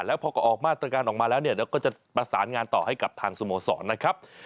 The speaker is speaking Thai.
แล้วพอก็ออกมาตรการออกมาแล้วก็จะประสานงานต่อให้กับทางสมสรรค์นะครับ